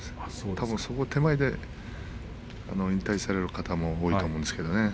たぶんその手前で引退される方も多いと思うんですが。